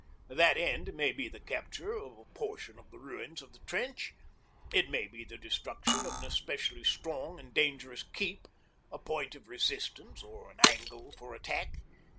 That end may be the capture of a portion of the ruins of the trench, it may be the destruction of an especially strong and dangerous 'keep,' a point of resistance or an angle for attack.